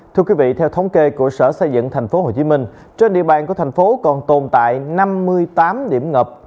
thưa quý vị theo thống kê của sở xây dựng tp hcm trên địa bàn của thành phố còn tồn tại năm mươi tám điểm ngập